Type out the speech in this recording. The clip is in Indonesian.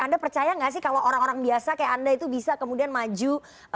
anda percaya nggak sih kalau orang orang biasa kayak anda itu bisa kemudian maju